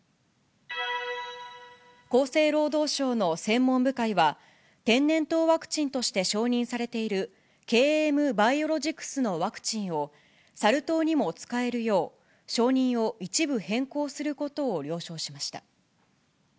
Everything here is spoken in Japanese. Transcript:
厚生労働省の専門部会は、天然痘ワクチンとして承認されている、ＫＭバイオロジクスのワクチンを、サル痘にも使えるよう、承認を一部変更することを了承しました。